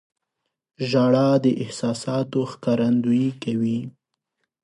• ژړا د احساساتو ښکارندویي کوي.